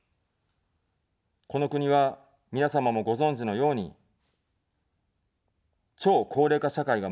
この国は、皆様もご存じのように、超高齢化社会が待っています。